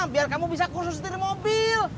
biar kamu bisa kursus dari mobil